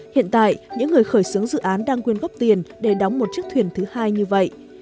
hiện tại những người khởi xướng dự án đang quyên góp tiền để đóng một chiếc thuyền thứ hai như vậy